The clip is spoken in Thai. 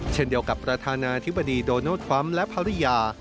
เช่นเดียวกับประธานาธิบดีโดนัลดทรัมป์และภรรยา